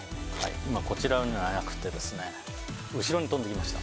今、こちらにはなくて後ろに飛んできました。